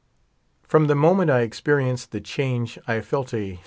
l roin (h« inoment f *xperienced the change I felt a Mr..